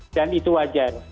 dan itu wajar